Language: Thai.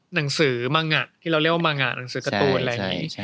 หนังสือมังที่เราเรียกว่ามางานหนังสือการ์ตูนอะไรอย่างนี้